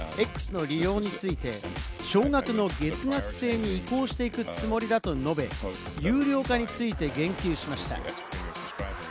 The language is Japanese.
氏は１８日、「Ｘ」の利用について、少額の月額制に移行していくつもりだと述べ、有料化について言及しました。